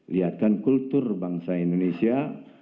lihatkan kultur bangsa indonesia